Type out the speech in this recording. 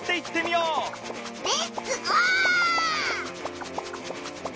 レッツゴー！